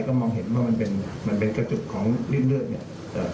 ก็มองเห็นว่ามันเป็นกระจุของริ่มเลือด